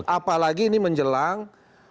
apalagi ini menjelang